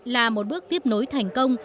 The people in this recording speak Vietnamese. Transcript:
là một bước tiếp nối thành công